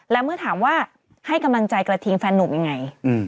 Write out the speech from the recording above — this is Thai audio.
และเมื่อถามว่าให้กำลังใจกระทิงแฟนนุ่มยังไง